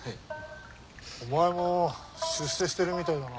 お前も出世してるみたいだな。